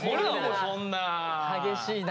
激しいな。